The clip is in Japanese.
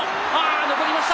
残りました。